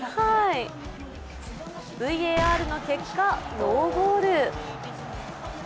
ＶＡＲの結果、ノーゴール。